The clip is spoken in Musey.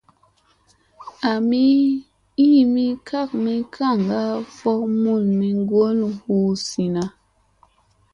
Ami iimi kaami bakŋga vok mulmi ŋgolla hu zinna.